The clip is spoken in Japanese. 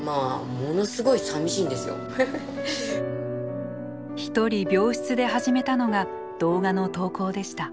一人病室で始めたのが動画の投稿でした。